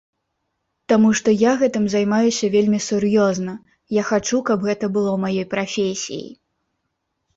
Таму што я гэтым займаюся вельмі сур'ёзна, я хачу, каб гэта было маёй прафесіяй.